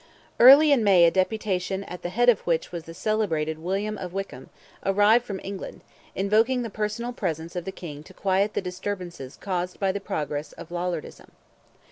Early in May a deputation, at the head of which was the celebrated William of Wyckham, arrived from England, invoking the personal presence of the King to quiet the disturbances caused by the progress of Lollardism.